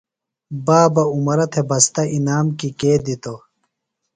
بابہ عمرہ تھےۡ بستہ انعام کیۡ کے دِتوۡ؟